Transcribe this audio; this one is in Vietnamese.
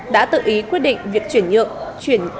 đã tự ý quyết định việc chuyển nhượng